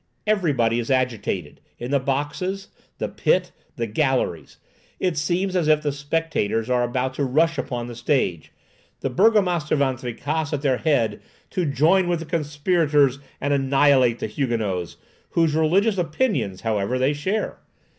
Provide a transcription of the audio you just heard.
Everybody is agitated—in the boxes, the pit, the galleries. It seems as if the spectators are about to rush upon the stage, the Burgomaster Van Tricasse at their head, to join with the conspirators and annihilate the Huguenots, whose religious opinions, however, they share.